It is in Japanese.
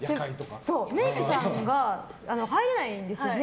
メイクさんが入れないんですよね。